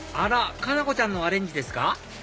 佳菜子ちゃんのアレンジですか？